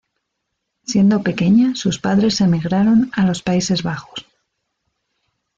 Siendo pequeña sus padres emigraron a los Países Bajos.